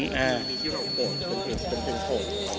มีที่เราโปรดตรงเพลงโทร